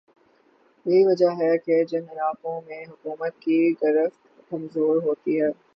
یہی وجہ ہے کہ جن علاقوں میں حکومت کی گرفت کمزور ہوتی ہے